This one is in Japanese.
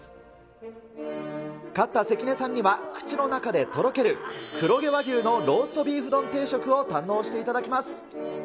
勝った関根さんには、口の中でとろける黒毛和牛のローストビーフ丼定食を堪能していただきます。